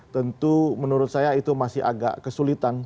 tentu menurut saya itu masih agak kesulitan